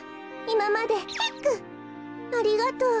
いままでヒックありがとう。